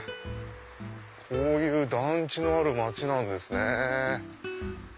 こういう団地のある街なんですね。